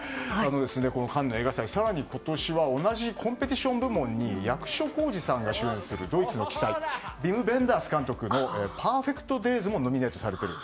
カンヌ国際映画祭、今年は同じコンペティション部門に役所広司さんが主演するドイツの鬼才ヴィム・ヴェンダーズ監督の「ＰＥＲＦＥＣＴＤＡＹＳ」もノミネートされています。